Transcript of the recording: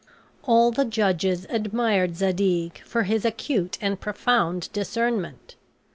All the judges admired Zadig for his acute and profound discernment.